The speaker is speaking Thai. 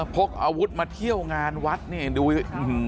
พกอาวุธมาเที่ยวงานวัดนี่ดู